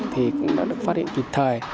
thì cũng đã được phát hiện kịp thời